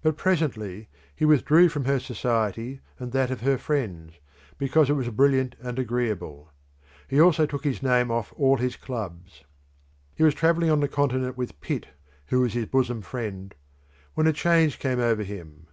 But presently he withdrew from her society and that of her friends, because it was brilliant and agreeable. He also took his name off all his clubs. He was travelling on the Continent with Pitt, who was his bosom friend, when a change came over him.